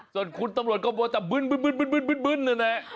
จนคุณตำรวจก็จะบึ้นแน่